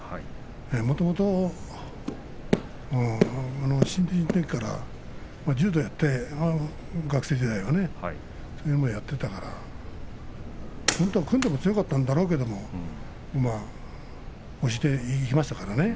もともと新人のときから、学生時代は柔道をやっていたから本当は組んでも強かったんだろうけれども押しでいきましたからね。